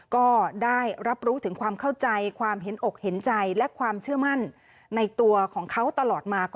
ก็ได้รับรู้ถึงความเข้าใจความเห็นอกเห็นใจและความเชื่อมั่นในตัวของเขาตลอดมา